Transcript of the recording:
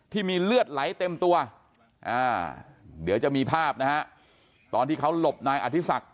ที่มีเลือดไหลเต็มตัวเดี๋ยวจะมีภาพนะฮะตอนที่เขาหลบนายอธิศักดิ